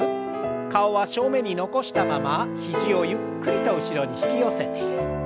顔は正面に残したまま肘をゆっくりと後ろに引き寄せて。